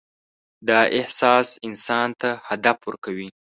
دا احساس انسان ته هدف ورکوي.